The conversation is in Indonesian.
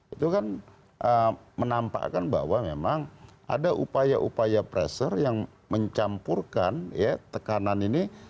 itu kan menampakkan bahwa memang ada upaya upaya pressure yang mencampurkan ya tekanan ini